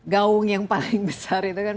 gaung yang paling besar itu kan